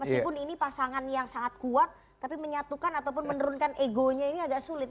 meskipun ini pasangan yang sangat kuat tapi menyatukan ataupun menurunkan egonya ini agak sulit